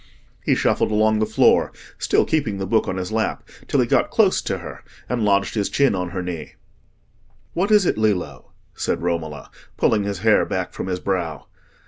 He shuffled along the floor, still keeping the book on his lap, till he got close to her and lodged his chin on her knee. "What is it, Lillo?" said Romola, pulling his hair back from his brow.